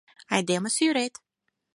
Айдеме сӱрет!..